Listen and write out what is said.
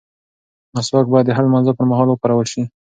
مسواک باید د هر لمانځه پر مهال وکارول شي.